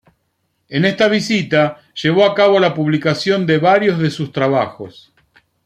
En esta visita, llevó a cabo la publicación de varios de sus trabajos.